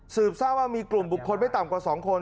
ทราบว่ามีกลุ่มบุคคลไม่ต่ำกว่า๒คน